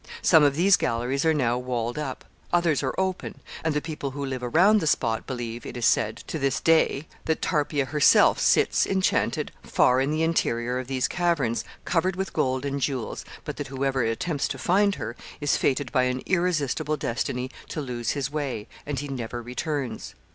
Some of these galleries are now walled up; others are open; and the people who live around the spot believe, it is said, to this day, that Tarpeia herself sits, enchanted, far in the interior of these caverns, covered with gold and jewels, but that whoever attempts to find her is fated by an irresistible destiny to lose his way, and he never returns.